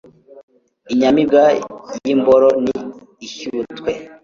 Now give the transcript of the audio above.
Inyamibwa y’imboro ni ishyutwe